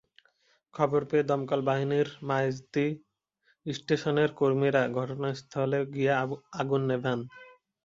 খবর পেয়ে দমকল বাহিনীর মাইজদী স্টেশনের কর্মীরা ঘটনাস্থলে গিয়ে আগুন নেভান।